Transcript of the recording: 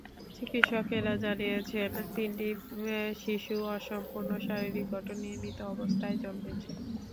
চিকিৎসকেরা জানিয়েছেন, তিনটি শিশু অসম্পূর্ণ শারীরিক গঠন নিয়ে মৃত অবস্থায় জন্মেছে।